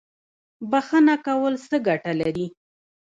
بخښنه کول څه ګټه لري؟